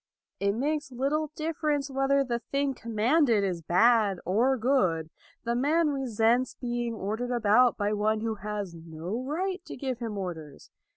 It makes little difference whether the thing commanded is bad or good. The man resents being ordered about by one who has no right to give him orders.